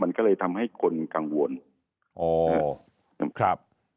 มันก็เลยทำให้คนกังวลอ๋อนะครับ